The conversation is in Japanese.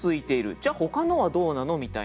じゃあほかのはどうなの？みたいな。